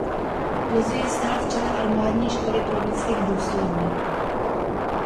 Později stál v čele armádní školy pro výcvik důstojníků.